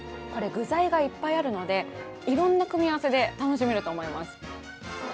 これ、具材がいっぱいあるのでいろんな組み合わせで楽しめると思います。